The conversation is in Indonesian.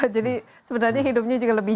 jadi sebenarnya hidupnya juga lebih